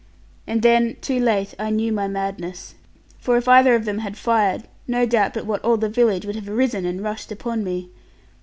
And then, too late, I knew my madness, for if either of them had fired, no doubt but what all the village would have risen and rushed upon me.